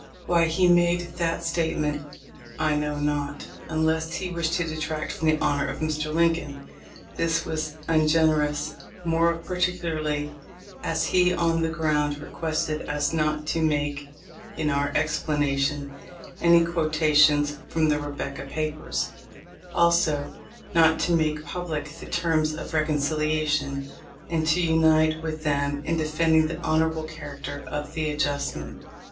Why he made that state ment I know not, unless he wished to detract from the honor of Mr. Lincoln. This was ungenerous, more particularly as he on the ground requested us not to make in our explanation any quotations from the "Rebecca papers ;" also, not to make public the terms of reconciliation, and to unite with them in defending the honorable character of the adjustment.